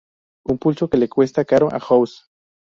Un pulso que le cuesta caro a House.